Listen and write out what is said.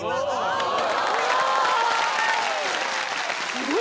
すごーい！